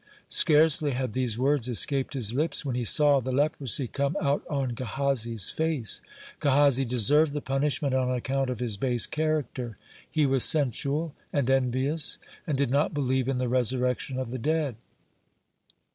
Scarcely had these words escaped his lips, when he saw the leprosy come out on Gehazi's face. (15) Gehazi deserved the punishment on account of his base character. He was sensual and envious, and did not believe in the resurrection of the dead.